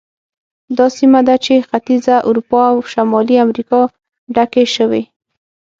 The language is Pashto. دا سمه ده چې ختیځه اروپا او شمالي امریکا ډکې شوې.